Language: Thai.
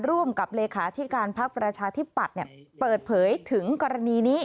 ร่วมกับเลขาที่การพักประชาธิปัตย์เปิดเผยถึงกรณีนี้